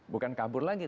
bukan kabur lagi